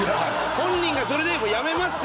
本人がそれでもうやめますって。